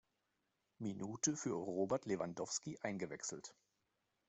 Minute für Robert Lewandowski eingewechselt.